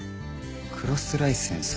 クロスライセンス？